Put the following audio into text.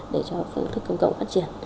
để cho phương thức công cộng phát triển